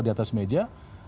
kalau di atas meja